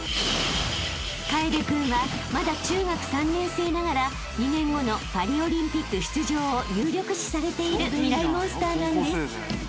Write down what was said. ［楓君はまだ中学３年生ながら２年後のパリオリンピック出場を有力視されているミライ☆モンスターなんです］